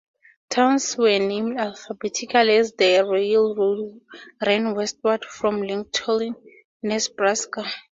Towns were named alphabetically as the railroad ran westward from Lincoln, Nebraska.